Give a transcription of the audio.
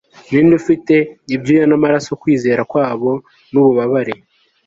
Ninde ufite ibyuya namaraso kwizera kwabo nububabare